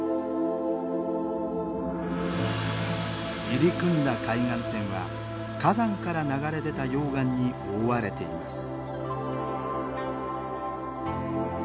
入り組んだ海岸線は火山から流れ出た溶岩に覆われています。